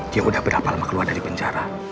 dia udah berapa lama keluar dari penjara